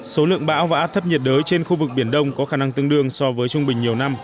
số lượng bão và áp thấp nhiệt đới trên khu vực biển đông có khả năng tương đương so với trung bình nhiều năm